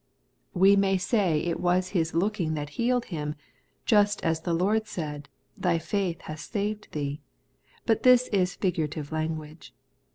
We may say it was his looking that healed him, just as the Lord said, ' Thy faith hath saved thee ;' but this is figurative language.